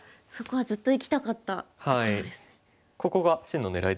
そこはずっといきたかったところですね。